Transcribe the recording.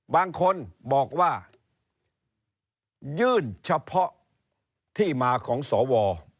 บางคนบอกว่ายื่นเฉพาะที่มาของสว